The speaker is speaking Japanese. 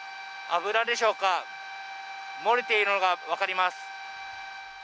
油でしょうか漏れているのが分かります